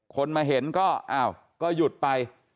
คนมาเห็นก็อ้าวก็หยุดไป